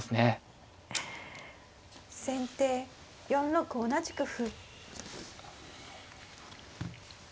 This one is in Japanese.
先手４六同じく歩。